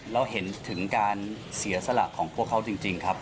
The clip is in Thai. เราเห็นถึงการเสียสละของพวกเขาจริงครับ